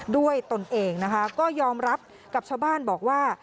ตนเองนะคะก็ยอมรับกับชาวบ้านบอกว่า